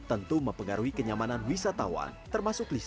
tentu mempengaruhi kenyamanan wisatawan termasuk listrik